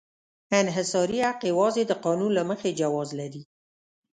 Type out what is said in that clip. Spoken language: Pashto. انحصاري حق یوازې د قانون له مخې جواز لري.